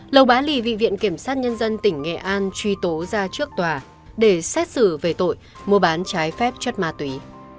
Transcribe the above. lầu bá lì bị viện kiểm sát nhân dân tỉnh nghệ an truy tố ra trước tòa để xét xử về tội mua bán trái phép chất ma túy